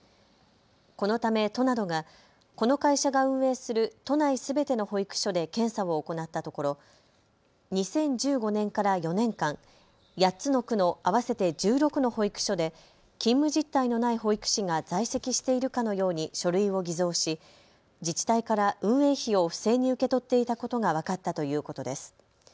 このため都などがこの会社が運営する都内すべての保育所で検査を行ったところ２０１５年から４年間、８つの区の合わせて１６の保育所で勤務実態のない保育士が在籍しているかのように書類を偽造し、自治体から運営費を不正に受け取っていたことが分かったということです。